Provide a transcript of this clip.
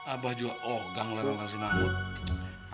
abah juga oh gak ngeliat ngeliat sama si mamut